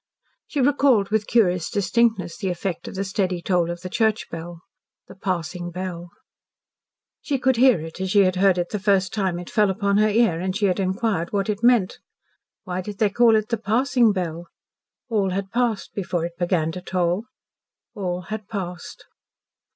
She recalled with curious distinctness the effect of the steady toll of the church bell the "passing bell." She could hear it as she had heard it the first time it fell upon her ear, and she had inquired what it meant. Why did they call it the "passing bell"? All had passed before it began to toll all had passed.